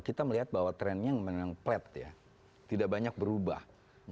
kita melihat bahwa trennya memang plat ya tidak banyak berubah